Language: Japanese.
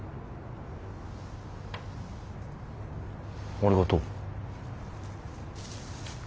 ありがとう。